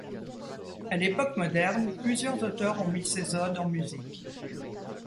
À l'époque moderne, plusieurs auteurs ont mis ces odes en musique.